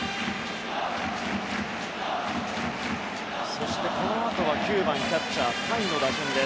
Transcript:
そして、このあとは９番キャッチャー、甲斐の打順。